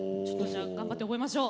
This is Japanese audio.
頑張って覚えましょう。